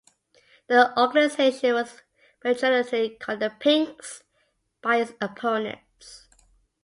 The organization was pejoratively called the "Pinks" by its opponents.